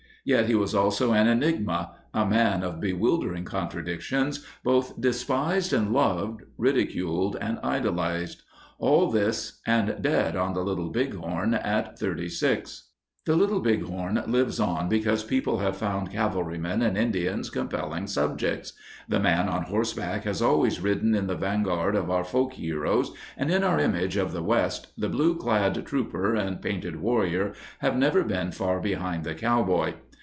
Yet he was also an enigma, a man of bewildering contradic tions, both despised and loved, ridiculed and idolized. All this, and dead on the Little Bighorn at 36. The Little Bighorn lives on because people have found cavalrymen and Indians compelling subjects. The man on horseback has always ridden in the vanguard of our folk heroes, and in our image of the West the blueclad trooper and painted warrior have never been far behind the cowboy.